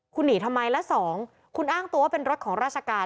คุณหนีทำไมละ๒คุณอ้างตัวว่าเป็นรถของราชการ